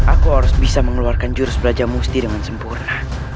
aku harus bisa mengeluarkan jurus belajar musti dengan sempurna